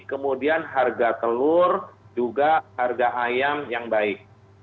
kemudian harga telur juga harga ayam yang baik